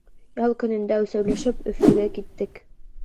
Ял көнөндә өсәүләшеп Өфөгә киттек.